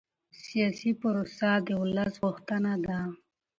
سیاسي پروسه د ولس غوښتنه ده